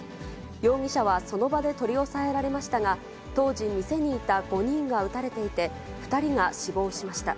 容疑者はその場で取り押さえられましたが、当時、店にいた５人が撃たれていて、２人が死亡しました。